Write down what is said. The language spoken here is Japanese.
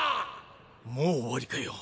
もう終わりかよ。